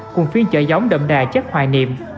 cùng phiên trợ giống đậm đà chất hoài niệm